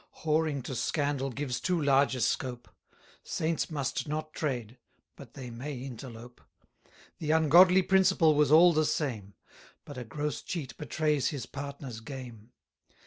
Whoring to scandal gives too large a scope: 40 Saints must not trade; but they may interlope: The ungodly principle was all the same; But a gross cheat betrays his partner's game.